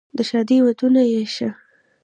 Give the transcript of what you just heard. د ښادۍ ودونه یې شه،